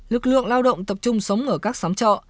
lực lượng lao động tập trung sống ở các xóm trọ